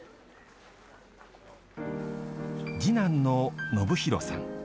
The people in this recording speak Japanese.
次男の亘弘さん。